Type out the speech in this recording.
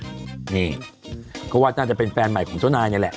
นี่ก็ว่าน่าจะเป็นแฟนใหม่ของเจ้านายนี่แหละ